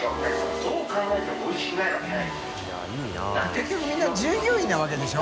結局みんな従業員なわけでしょ？